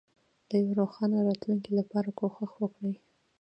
د یوې روښانه راتلونکې لپاره کوښښ وکړئ.